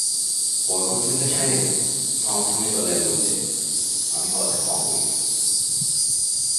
বরকতউল্লাহ সাহেব থমথমে গলায় বললেন, আমি কথা কম বলি।